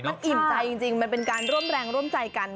มันอิ่มใจจริงมันเป็นการร่วมแรงร่วมใจกัน